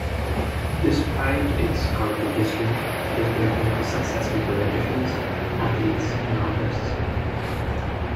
Despite its colorful history, it has been home to successful politicians, athletes, and artists.